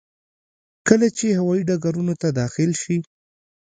کله چې هوايي ډګرونو ته داخل شي.